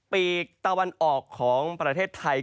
ปีกตะวันออกของประเทศไทย